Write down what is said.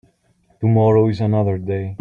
Tomorrow is another day.